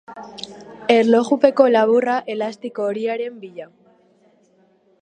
Erlojupeko laburra elastiko horiaren bila.